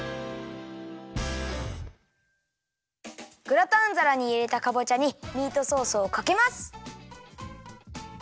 グラタンざらにいれたかぼちゃにミートソースをかけます。